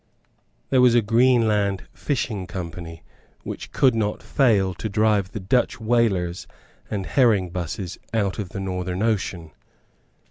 There was a Greenland Fishing Company which could not fail to drive the Dutch whalers and herring busses out of the Northern Ocean.